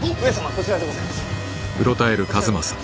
こちらでございます。